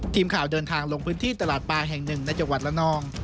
ทีมข่าวเดินทางลงพื้นที่ตลาดปลาแห่งหนึ่งในจังหวัดละนอง